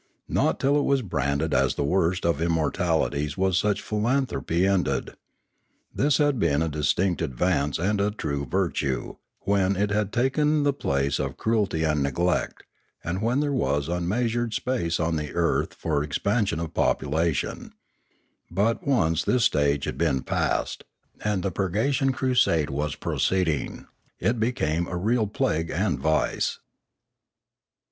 Not till it was branded as the worst of immoralities was such philanthropy ended. This had been a distinct advance and a true virtue, when it had taken the place of cruelty and neglect, and when there was unmeasured space on the earth for the ex pansion of population; but, once this stage had been passed, and the purgation crusade was proceeding, it became a real plague and vice.